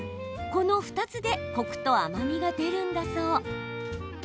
この２つでコクと甘みが出るんだそう。